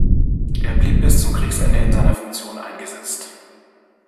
Er blieb bis zum Kriegsende in seiner Funktion eingesetzt.